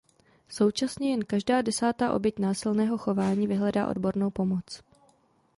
Současně jen každá desátá oběť násilného chování vyhledá odbornou pomoc.